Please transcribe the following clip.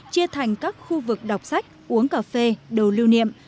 chia thành các khu vực đọc sách uống cà phê đồ lưu niệm